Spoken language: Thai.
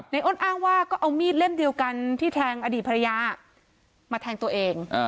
อ้นอ้างว่าก็เอามีดเล่มเดียวกันที่แทงอดีตภรรยามาแทงตัวเอง